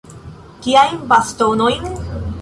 Kiajn bastonojn?